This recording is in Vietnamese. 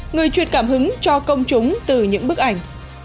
người truyền cảm hứng cho công chúng từ những bức ảnh